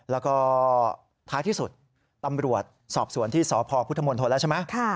แล้วก็ท้ายที่สุดตำรวจสอบสวนที่สพพุทธมนตรแล้วใช่ไหม